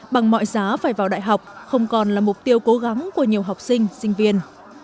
bằng mọi giá phải vào đại học không còn là mục tiêu cố gắng của nhiều học sinh sinh viên